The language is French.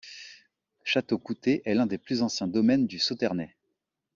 Château Coutet est l'un des plus anciens domaines du Sauternais.